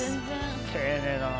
丁寧だな。